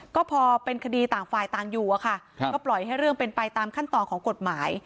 ก็พอเป็นคดีต่างฝ่ายต่างอยู่อะค่ะก็ปล่อยให้เรื่องเป็นไปตามขั้นตอนของกฎหมาย